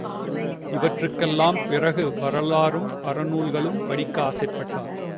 இவற்றுக்கெல்லாம் பிறகு வரலாறும் அறநூல்களும் படிக்க ஆசைப்பட்டார்.